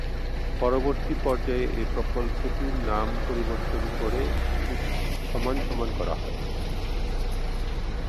পরবর্তী পর্যায়ে এ প্রকল্পটির নাম পরিবর্তন করে = করা হয়।